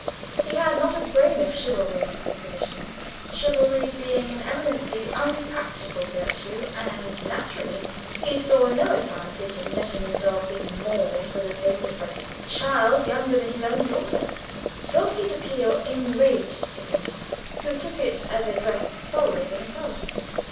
He had not a grain of chivalry in his disposition chivalry being an eminently unpractical virtue and naturally he saw no advantage in letting himself be mauled for the sake of a child younger than his own daughter. Dulcie's appeal enraged Tipping, who took it as addressed solely to himself.